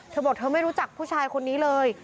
เธอบอกเธอไม่รู้จักผู้ชายคนนี้เลย